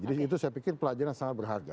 jadi itu saya pikir pelajaran sangat berharga